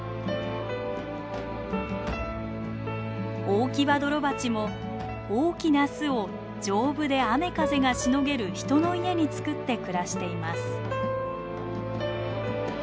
オオキバドロバチも大きな巣を丈夫で雨風がしのげる人の家に作って暮らしています。